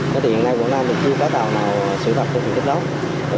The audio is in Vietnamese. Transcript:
thế thì hiện nay quảng nam thì chưa có tàu nào xử phạt vùng bị kết nối